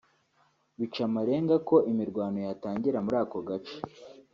bica amarenga ko imirwano yatangira muri ako gace